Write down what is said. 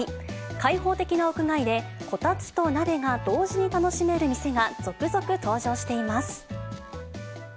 開放的な屋外で、こたつと鍋が同時に楽しめる店が続々登場しています。